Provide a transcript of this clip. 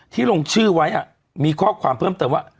ลงชื่อไว้มีข้อความเพิ่มเติมว่า